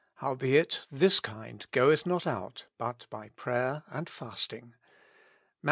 Howbeit this kind goeth not out but by grayer and fasting. — MATT.